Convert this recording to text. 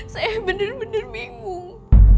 saya bener bener bingung